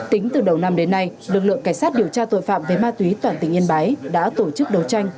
tính từ đầu năm đến nay lực lượng cảnh sát điều tra tội phạm về ma túy toàn tỉnh yên bái đã tổ chức đấu tranh